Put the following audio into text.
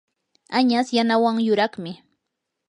añas yanawan yuraqmi.